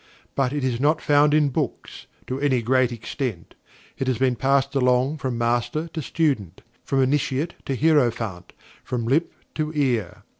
But it is not found in books, to any great extent. It has been passed along from Master to Student; from Initiate to Hierophant; from lip to ear.